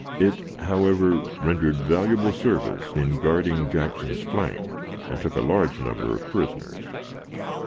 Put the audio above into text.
It, however, rendered valuable service in guarding Jackson's flank, and took a large number of prisoners.